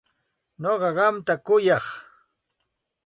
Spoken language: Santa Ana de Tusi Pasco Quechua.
Nuqa qamta kuyaq.